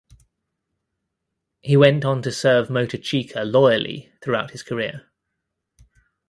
He went on to serve Motochika loyally throughout his career.